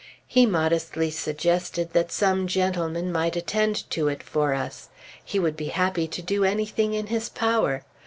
He modestly suggested that some gentleman might attend to it for us. He would be happy to do anything in his power.